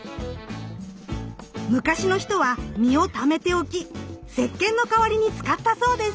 昔の人は実をためておきせっけんの代わりに使ったそうです。